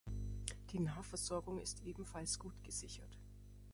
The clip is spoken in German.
Die Nahversorgung ist ebenfalls gut gesichert.